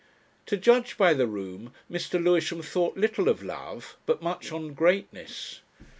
To judge by the room Mr. Lewisham thought little of Love but much on Greatness.